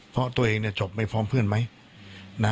เพราะตัวเองจบไม่พร้อมเพื่อนไหม